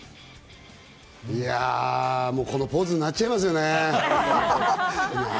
いや、このポーズになっちゃいますよね。